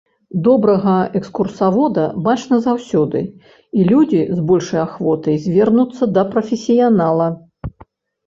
Добрага экскурсавода бачна заўсёды, і людзі з большай ахвотай звернуцца да прафесіянала.